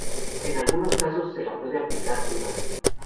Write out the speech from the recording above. En algunos casos se la puede aplicar pura.